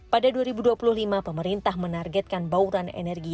pada dua ribu dua puluh lima pemerintah menargetkan bauran energi